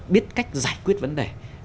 biết cách giải quyết vấn đề